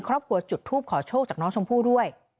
ครอบครัวจุดทูบขอโชคจากน้องชมพู่ด้วย